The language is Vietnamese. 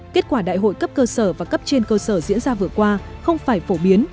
kết quả đại hội cấp cơ sở và cấp trên cơ sở diễn ra vừa qua không phải phổ biến